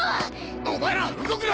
お前ら動くな！